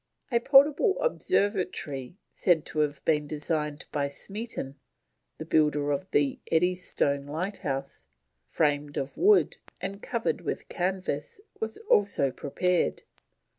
A portable observatory, said to have been designed by Smeaton, the builder of the Eddystone Lighthouse, framed of wood and covered with canvas, was also prepared.